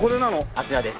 あちらです。